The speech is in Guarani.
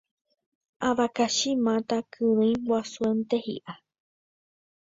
avakachi máta kyrỹi guasuete hi'a